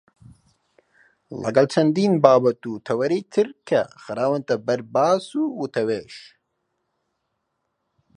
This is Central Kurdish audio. لەگەڵ چەندین بابەت و تەوەری تر کە خراونەتە بەرباس و وتووێژ.